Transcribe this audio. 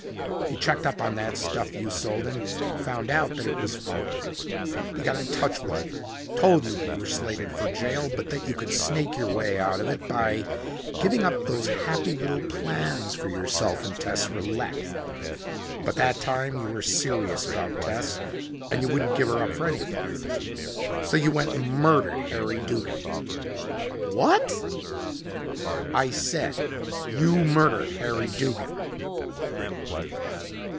He checked up on that stuff you sold him, found out that it was phoney. He got in touch with you, told you that you were slated for jail but that you could snake your way out of it by giving up those happy little plans for yourself and Tess Rillette. By that time, you were serious about Tess and you wouldn't give her up for anything. So you went and murdered Harry Duggin." "What?" "I said you murdered Harry Duggin."